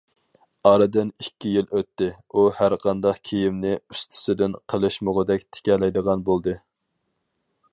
ئارىدىن ئىككى يىل ئۆتتى، ئۇ ھەر قانداق كىيىمنى ئۇستىسىدىن قېلىشمىغۇدەك تىكەلەيدىغان بولدى.